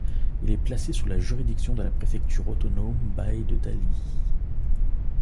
Il est placé sous la juridiction de la préfecture autonome bai de Dali.